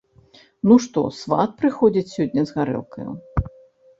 Ну, што, сват, прыходзіць сягоння з гарэлкаю?